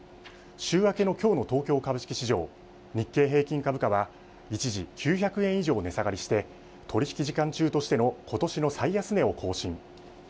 週明けのきょうの東京株式市場、日経平均株価は一時、９００円以上値下がりして取り引き時間中としてのことしの最安値を更新。